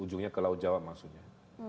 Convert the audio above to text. ujungnya ke laut jawa maksudnya